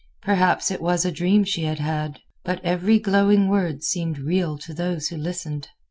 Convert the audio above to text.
Perhaps it was a dream she had had. But every glowing word seemed real to those who listened.